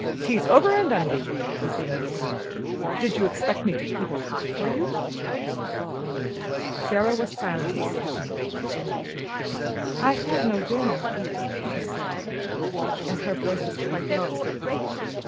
"Tea's over and done with," was the answer. "Did you expect me to keep it hot for you?" Sara was silent a second. "I had no dinner," she said, and her voice was quite low.